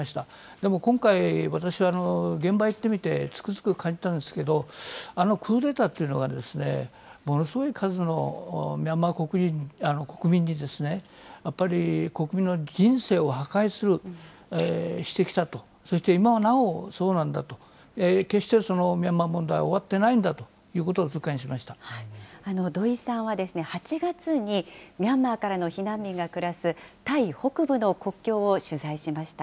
でも今回、私は現場へ行ってみて、つくづく感じたんですけど、クーデターというのは、ものすごい数のミャンマー国民に、やっぱり国民の人生を破壊する、してきたと、そして今なおそうなんだと、決してミャンマー問題終わってないん土井さんは８月に、ミャンマーからの避難民が暮らすタイ北部の国境を取材しました。